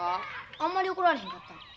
あんまり怒られへんかった。